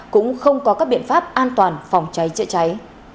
cũng không có các biện pháp an toàn phòng cháy chữa cháy